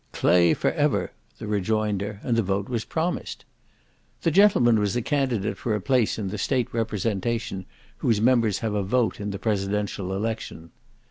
"Clay for ever!" the rejoinder; and the vote was promised. This gentleman was candidate for a place in the state representation, whose members have a vote in the presidential election.